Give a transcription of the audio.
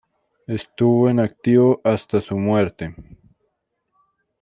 Estuvo en activo hasta su muerte.